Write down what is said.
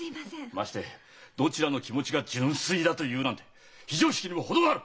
ましてどちらの気持ちが純粋だと言うなんて非常識にも程がある！